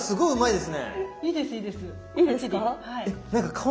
いいですか？